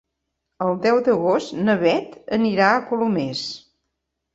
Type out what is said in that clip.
El deu d'agost na Beth anirà a Colomers.